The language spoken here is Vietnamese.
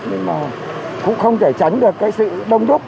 nhưng mà cũng không thể tránh được cái sự